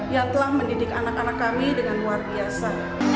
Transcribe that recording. yang telah mendidik anak anak kami dengan luar biasa